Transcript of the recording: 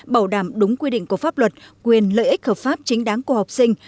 bảo đảm đúng quy định của pháp luật quyền lợi ích hợp pháp chính đáng của học sinh